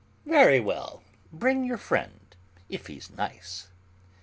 "Very well; bring your friend, if he's nice."